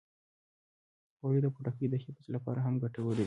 غوړې د پوټکي د حفظ لپاره هم ګټورې دي.